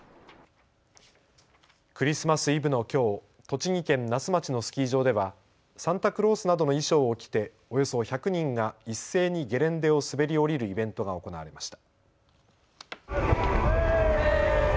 クリスマスイブのきょう、栃木県那須町のスキー場ではサンタクロースなどの衣装を着ておよそ１００人が一斉にゲレンデを滑り降りるイベントが行われました。